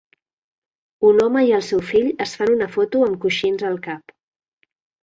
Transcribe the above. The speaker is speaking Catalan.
Un home i el seu fill es fan una foto amb coixins al cap.